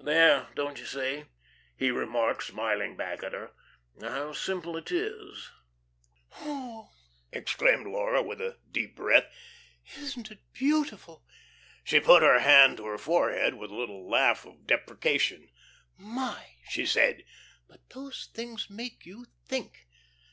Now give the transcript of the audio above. "There, don't you see," he remarked, smiling back at her, "how simple it is?" "Oh h," exclaimed Laura, with a deep breath, "isn't it beautiful?" She put her hand to her forehead with a little laugh of deprecation. "My," she said, "but those things make you think."